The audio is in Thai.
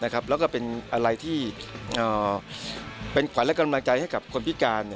แล้วก็เป็นอะไรที่เป็นขวัญและกำลังใจให้กับคนพิการ